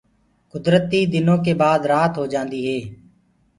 گُدرتي دنو ڪي بآد رآت هوجآندي هي۔